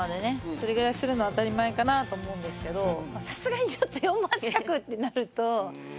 それぐらいするのは当たり前かなと思うんですけどさすがにちょっと４万弱ってなると。